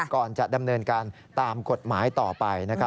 ก่อนจะดำเนินการตามกฎหมายต่อไป